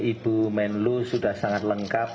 ibu menlo sudah sangat lengkap